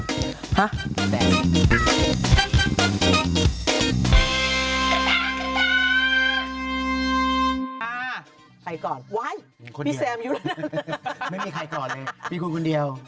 ไปก่อนเลยพี่คุณคนเดียว